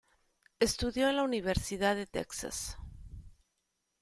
Estudió en la Universidad de Texas.